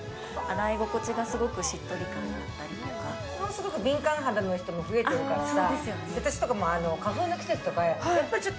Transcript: ちょっと敏感肌の人も増えてるからさ。